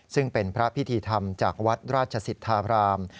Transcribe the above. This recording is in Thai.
ซึ่งเป็นพระพิธีธรรมจากวัดราชสิทธาบราม